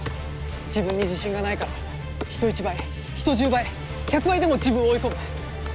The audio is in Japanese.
自分に自信がないから人一倍人十倍百倍でも自分を追い込む。